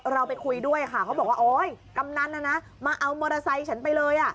เราไปคุยด้วยค่ะเขาบอกว่าโอ๊ยกำนันน่ะนะมาเอามอเตอร์ไซค์ฉันไปเลย